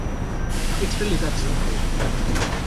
It's really got some teeth.